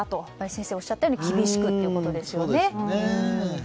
先生がおっしゃったように厳しくということですね。